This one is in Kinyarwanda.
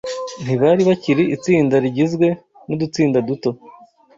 Ntibari bakiri itsinda rigizwe n’udutsinda duto